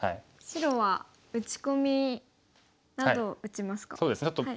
白は打ち込みなどを打ちますか。